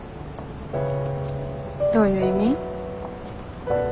どういう意味？